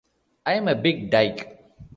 I'm a big dyke.